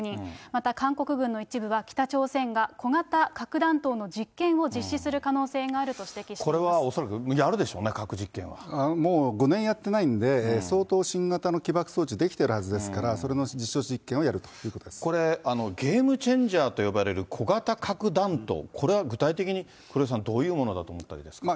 また韓国軍の一部は北朝鮮が小型核弾頭の実験を実施する可能性がこれは恐らくやるでしょうね、もう５年やってないんで、相当新型の起爆装置出来てるはずですから、それの実証実験をやるとこれ、ゲームチェンジャーと呼ばれる小型核弾頭、これは具体的に、黒井さん、どういうものだと思ったらいいですか。